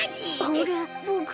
ほらボク